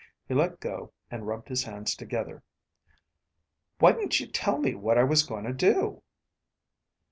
He let go and rubbed his hands together. "Why didn't you tell me what I was gonna do?"